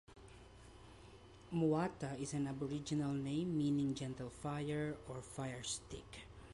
"Moata" is an Aboriginal name meaning "gentle-fire" or "fire-stick".